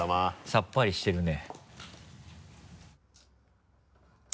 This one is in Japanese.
さっぱりしてるね。